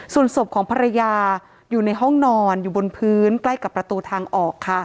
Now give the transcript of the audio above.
ส่วนศพของภรรยาอยู่ในห้องนอนอยู่บนพื้นใกล้กับประตูทางออกค่ะ